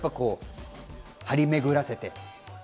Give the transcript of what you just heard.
張り巡らせて？